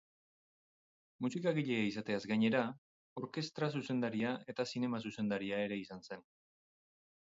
Musikagilea izateaz gainera, orkestra-zuzendaria eta zinema-zuzendaria ere izan zen.